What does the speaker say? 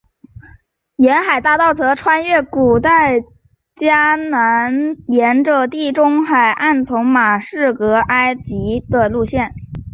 沿海大道则穿越古代迦南地沿着地中海岸从大马士革到埃及的路线。